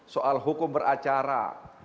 soal hukum beracara